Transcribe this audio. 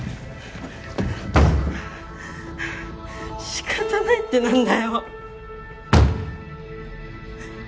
仕方ないってなんだよ。